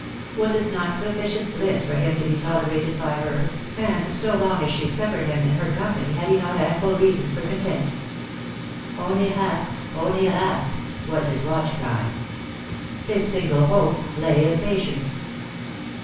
Was it not sufficient bliss for him to be tolerated by her ? and so long as 226 Lost for Love. she suffered him in her company had he not ample reason for content? Ohne hast, ohne rast! was his watch cry. His singla hope lay in patience.